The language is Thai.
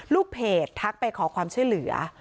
ลูกเพจทักไปขอความช่วยเหลือ